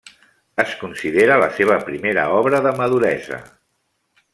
Es considera la seva primera obra de maduresa.